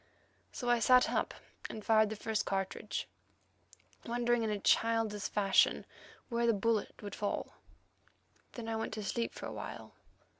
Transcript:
So I sat up and fired the first cartridge, wondering in a childish fashion where the bullet would fall. Then I went to sleep for awhile.